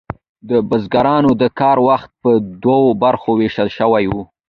د بزګرانو د کار وخت په دوو برخو ویشل شوی و.